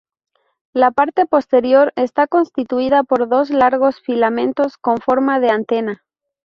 La parte posterior está constituida por dos largos filamentos con forma de antena.